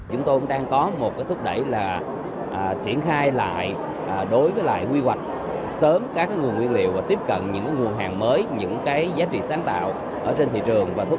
chúng tôi cũng đang có một thúc đẩy là triển khai lại đối với lại quy hoạch sớm các nguồn nguyên liệu và tiếp cận những nguồn hàng mới những cái giá trị sáng tạo ở trên thị trường